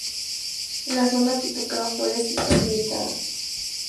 La zona de tocado en florete está limitada.